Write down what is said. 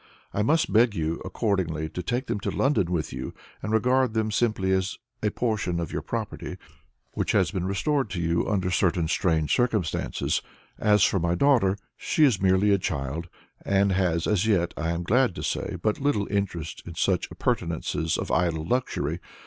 I must beg you, accordingly, to take them to London with you, and to regard them simply as a portion of your property which has been restored to you under certain strange conditions. As for my daughter, she is merely a child, and has as yet, I am glad to say, but little interest in such appurtenances of idle luxury.